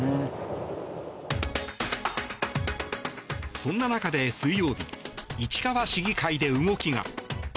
そんな中で水曜日市川市議会で動きが。